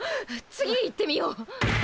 次行ってみよう。